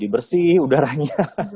jadi bersih udaranya